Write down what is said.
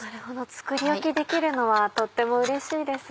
作り置きできるのはとってもうれしいです。